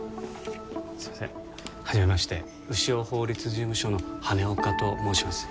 すいませんはじめまして潮法律事務所の羽根岡と申します